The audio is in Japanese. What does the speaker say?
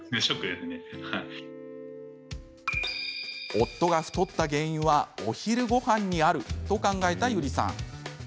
夫が太った原因はお昼ごはんにあると考えた佑梨さん。